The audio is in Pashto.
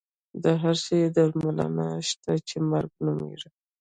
د هر شي درملنه شته چې مرګ نومېږي.